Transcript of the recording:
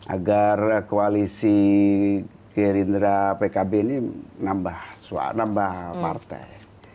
agar koalisi gerindra pkb ini nambah partai